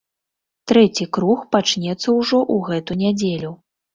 Трэці круг пачнецца ўжо ў гэту нядзелю.